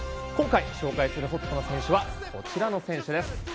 今回ご紹介するホットな選手はこちらの選手です。